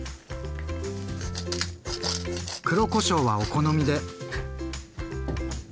黒こしょうはお好みで。